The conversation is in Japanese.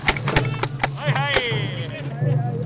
はいはい。